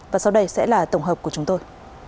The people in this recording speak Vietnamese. và sau đây sẽ là tổng hợp của chúng tôi